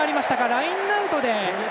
ラインアウトで。